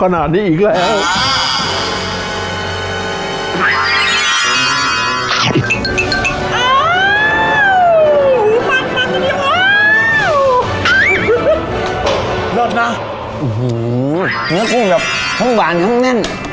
เนื้อกลูงแบบทั้งหวานทั้งแน่น